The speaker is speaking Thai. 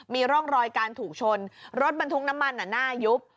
มีร่องรอยการถูกชนรถบรรทุกน้ำมันหน้ายุบ